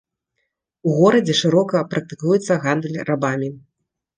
У горадзе шырока практыкуецца гандаль рабамі.